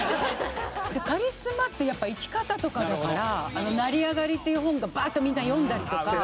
カリスマってやっぱり生き方とかだから『成りあがり』っていう本がバーッとみんな読んだりとか。